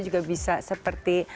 juga bisa seperti